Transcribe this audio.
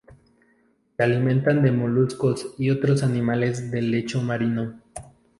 Se alimentan de moluscos y otros animales del lecho marino.